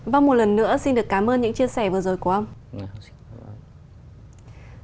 vâng một lần nữa xin được cảm ơn những chia sẻ vừa rồi của ông